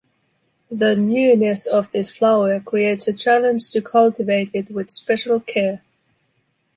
The newness of this flower creates a challenge to cultivate it with special care.